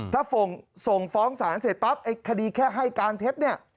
ถ้าส่งฟ้องศาลเสร็จปั๊บไอ้คดีแค่ให้การเท็จเนี่ย